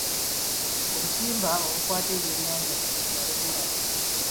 Obutimba obukwata ebyennyanja kati bwa bbula.